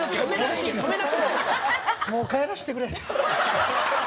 「もう帰らせてくれ」？